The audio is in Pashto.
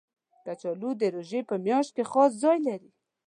کچالو د روژې په میاشت کې خاص ځای لري